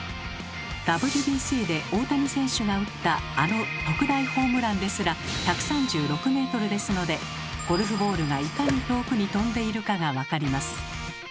ＷＢＣで大谷選手が打ったあの特大ホームランですら１３６ｍですのでゴルフボールがいかに遠くに飛んでいるかが分かります。